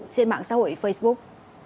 trên mạng xã hội facebook